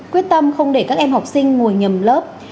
quyết tâm không để các em học sinh ngồi nhầm lớp